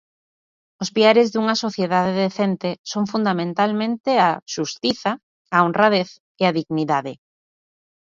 Os piares dunha sociedade decente son fundamentalmente a xustiza, a honradez e a dignidade.